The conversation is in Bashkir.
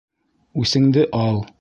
Үсеңде ал!